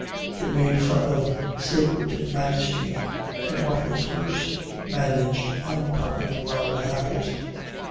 They made fun of Sacred Majesty, and, what was worse, managed uncommonly well without it.